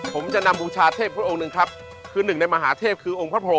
ผมจะนำบูชาเทพทร์พระองค์หนึ่งครับคือหนึ่งในมหาเทพคือ